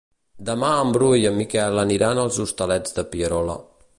Demà en Bru i en Miquel aniran als Hostalets de Pierola.